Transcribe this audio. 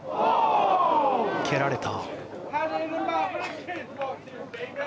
蹴られた。